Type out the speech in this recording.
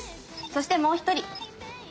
そしてもう一人！